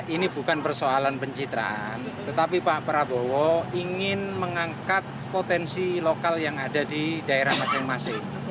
ini bukan persoalan pencitraan tetapi pak prabowo ingin mengangkat potensi lokal yang ada di daerah masing masing